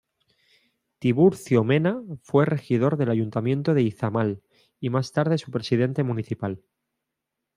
Tiburcio Mena fue regidor del Ayuntamiento de Izamal y más tarde su Presidente Municipal.